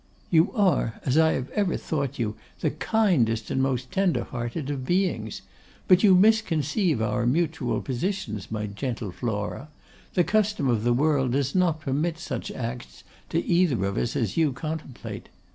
'You are, as I have ever thought you, the kindest and most tender hearted of beings. But you misconceive our mutual positions, my gentle Flora. The custom of the world does not permit such acts to either of us as you contemplate.